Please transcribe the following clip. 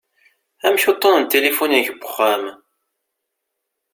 Amek uṭṭun n tilifu-inek n uxxam?